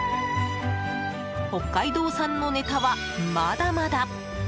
北海道産のネタはまだまだ。